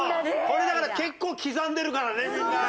これだから結構刻んでるからねみんな。